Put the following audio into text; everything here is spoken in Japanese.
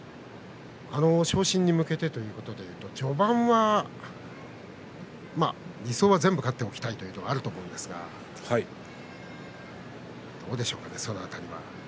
昇進に向けてというのも序盤は理想は全部勝っておきたいというのはあると思うんですがどうでしょうか。